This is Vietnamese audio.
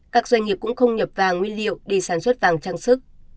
các doanh nghiệp cũng không nhập vàng nguyên liệu để sản xuất vàng trang sức